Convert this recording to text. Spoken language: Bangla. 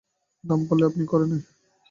দায়ে পড়লেই আপনি করে নেয়।